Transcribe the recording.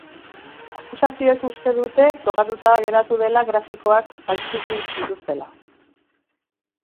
Akusazioek uste dute frogatuta geratu dela grafitoak faltsutu zituztela.